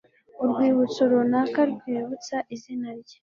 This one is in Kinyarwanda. urwibutso runaka rwibutsa izina rye